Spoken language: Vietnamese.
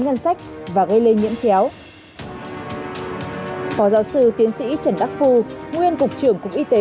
ngân sách và gây lây nhiễm chéo phó giáo sư tiến sĩ trần đắc phu nguyên cục trưởng cục y tế